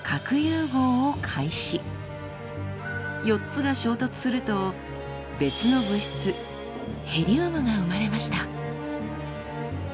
４つが衝突すると別の物質ヘリウムが生まれました。